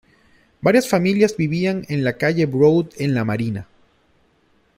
Varias familias vivían en la calle Broad en la Marina.